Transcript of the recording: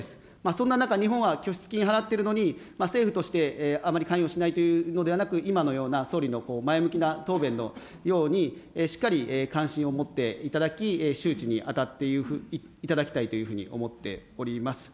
そんな中、日本は拠出金払っているのに、政府としてあまり関与しないというのではなく、今のような、総理の前向きな答弁のように、しっかり関心を持っていただき、周知に当たっていただきたいというふうに思っております。